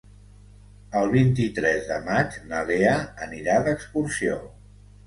El vint-i-tres de maig na Lea anirà d'excursió.